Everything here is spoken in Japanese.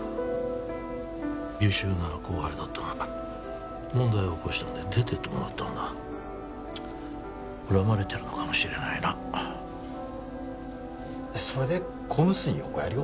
優秀な後輩だったが問題を起こしたので出てってもらったんだ恨まれてるのかもしれないなそれでＣＯＭＳに横やりを？